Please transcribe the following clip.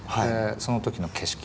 その時の景色